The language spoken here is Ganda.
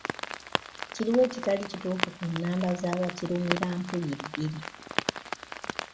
Kiriwa ekitali kituufu ku nnamba z'abakirumirampuyibbiri.